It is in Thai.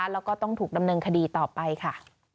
แล้วก็ต้องถูกดำเนินคดีต่อไปค่ะ